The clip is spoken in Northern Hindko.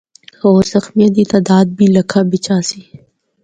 ہور زخمیاں دی تعداد بھی لکھاں بچ آسی۔